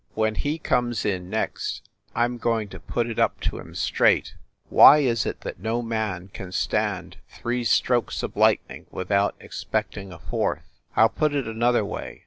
When he comes in next, I m going to put it up to him straight : Why is it that no man can stand three strokes of lightning without expecting a fourth? I ll put it another way.